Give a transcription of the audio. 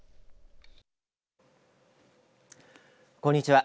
こんにちは。